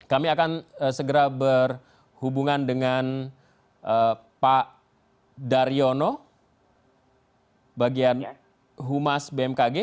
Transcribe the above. kami akan segera berhubungan dengan pak daryono bagian humas bmkg